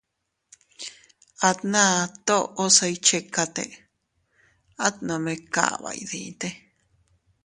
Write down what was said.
Atna toʼo se iychikate, at nome kaba iydite.